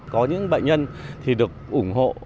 có những bệnh nhân thì được ủng hộ